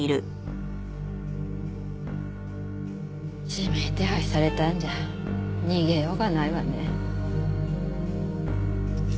指名手配されたんじゃ逃げようがないわね。